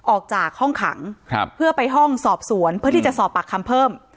ออกจากห้องขังเพื่อไปห้องสอบสวนเพื่อที่จะสอบปากคำเพิ่ม